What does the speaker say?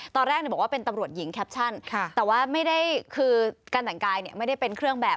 ตอนแรกบอกว่าเป็นตำรวจหญิงแคปชั่นแต่ว่าไม่ได้คือการแต่งกายไม่ได้เป็นเครื่องแบบ